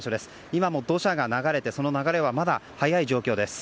今も土砂が流れてその流れはまだ速い状況です。